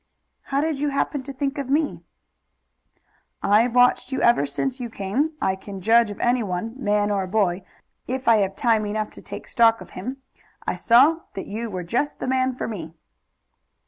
"How did you happen to think of me?" "I've watched you ever since you came. I can judge of anyone, man or boy, if I have time enough to take stock of him. I saw that you were just the man for me."